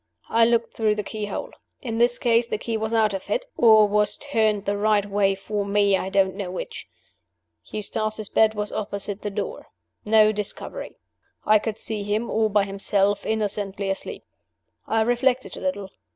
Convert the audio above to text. I looked through the keyhole. In this case, the key was out of it or was turned the right way for me I don't know which. Eustace's bed was opposite the door. No discovery. I could see him, all by himself, innocently asleep. I reflected a little.